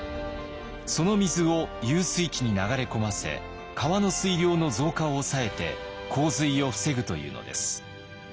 その水を遊水池に流れ込ませ川の水量の増加を抑えて洪水を防ぐというのです。